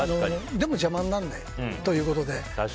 でも邪魔にならないということで。